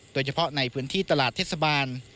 โดยเฉพาะในพื้นที่ตลาดเทศบาล